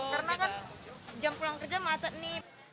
karena kan jam pulang kerja masa ini